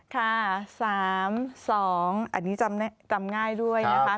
ค่ะ๓๒อันนี้จำง่ายด้วยนะคะ